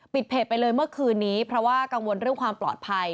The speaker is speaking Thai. เพจไปเลยเมื่อคืนนี้เพราะว่ากังวลเรื่องความปลอดภัย